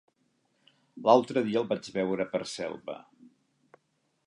L'altre dia el vaig veure per Selva.